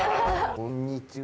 こんにちは。